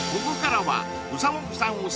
ここからはうさもぐさん